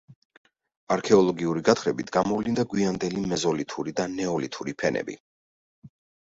არქეოლოგიური გათხრებით გამოვლინდა გვიანდელი მეზოლითური და ნეოლითური ფენები.